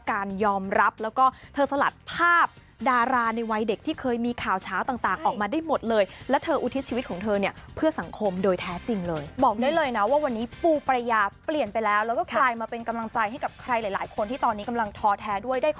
แค่คำว่าชื่อปูประยา